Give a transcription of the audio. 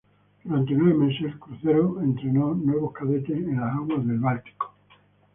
Durante nueve meses, el crucero entrenó nuevos cadetes en las aguas del Báltico.